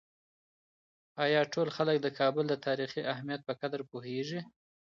آیا ټول خلک د کابل د تاریخي اهمیت په قدر پوهېږي؟